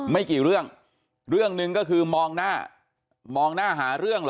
ไม่กี่เรื่องเรื่องหนึ่งก็คือมองหน้ามองหน้าหาเรื่องเหรอ